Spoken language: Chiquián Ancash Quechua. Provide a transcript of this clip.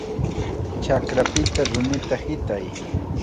¡Chakrapita rumita hitay!